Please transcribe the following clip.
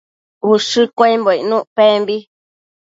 ushë cuembo icnuc pembi